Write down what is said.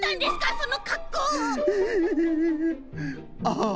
ああ！